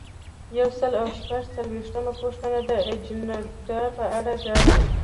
یو سل او شپږ څلویښتمه پوښتنه د اجنډا په اړه ده.